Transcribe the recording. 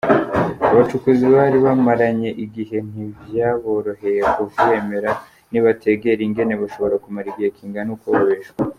Abacukuzi bari bamaranye igihe ntivyaboroheye kuvyemera, ntibategera ingene bashobora kumara igihe kingana uko babeshwa.